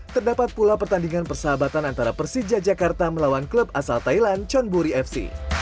terdapat pula pertandingan persahabatan antara persija jakarta melawan klub asal thailand chon buri fc